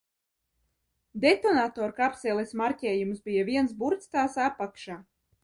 Detonatorkapseles marķējums bija viens burts tās apakšā.